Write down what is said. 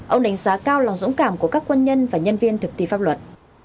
ông đánh giá cao lòng dũng cảm của các quân nhân và nhân viên thực thi pháp luật